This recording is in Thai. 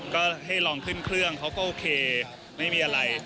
ก็ให้ลองขึ้นเครื่องเขาก็โอเคไม่มีอะไร